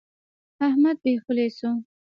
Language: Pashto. احمد بې خولې شو.